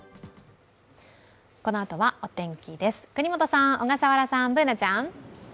このあとはお天気です、國本さん小笠原さん、Ｂｏｏｎａちゃん。